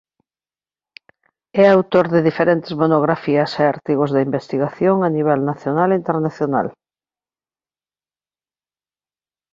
E autor de diferentes monografías e artigos de investigación a nivel nacional e internacional.